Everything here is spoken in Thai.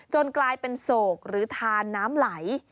กลายเป็นโศกหรือทานน้ำไหล